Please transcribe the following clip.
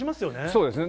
そうですね。